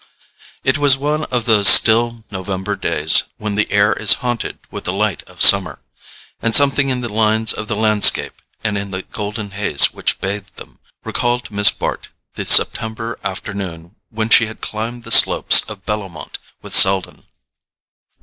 It was one of those still November days when the air is haunted with the light of summer, and something in the lines of the landscape, and in the golden haze which bathed them, recalled to Miss Bart the September afternoon when she had climbed the slopes of Bellomont with Selden.